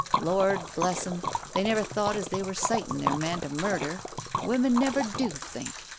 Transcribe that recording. Lord bless them, they never thought as they were 'citing their man to murder. Women never do think.